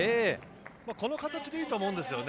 この形でいいと思うんですよね